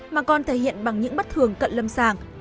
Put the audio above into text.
mà còn thể hiện bằng những bất thường cận lâm sàng